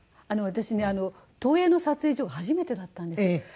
私ね東映の撮影所が初めてだったんです。